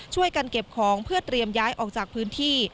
ช่วยกันเก็บของเพื่อเตรียมย้ายออกจากพื้นที่